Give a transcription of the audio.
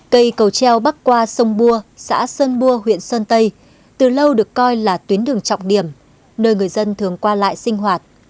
cây cầu treo bắc qua sông bua xã sơn bua huyện sơn tây từ lâu được coi là tuyến đường trọng điểm nơi người dân thường qua lại sinh hoạt